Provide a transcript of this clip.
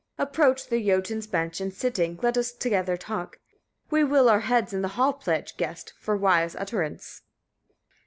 Approach the Jötuns bench, and sitting let us together talk; we will our heads in the hall pledge, guest! for wise utterance.